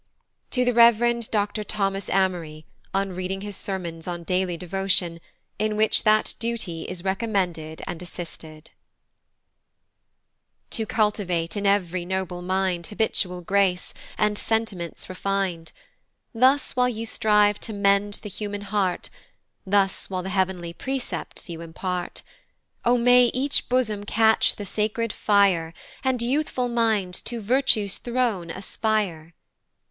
To the Rev. DR. THOMAS AMORY, on reading his Sermons on DAILY DEVOTION, in which that Duty is recommended and assisted. TO cultivate in ev'ry noble mind Habitual grace, and sentiments refin'd, Thus while you strive to mend the human heart, Thus while the heav'nly precepts you impart, O may each bosom catch the sacred fire, And youthful minds to Virtue's throne aspire!